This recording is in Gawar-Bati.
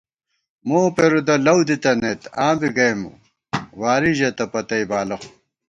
مو پېرُودہ لَؤ دِتَنَئیت ، آں بی گئیم واری ژېتہ پتئ بالہ